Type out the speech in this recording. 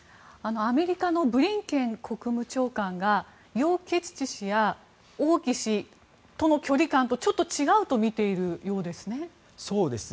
アメリカのブリンケン国務長官がヨウ・ケツチ氏や王毅氏との距離感とちょっと違うと見ているようですね。